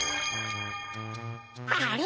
あれ？